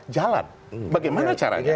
jalan bagaimana caranya